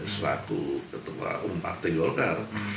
sebagai ketua umparti golkar